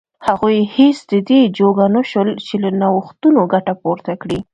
هغوی هېڅ د دې جوګه نه شول چې له نوښتونو ګټه پورته کړي.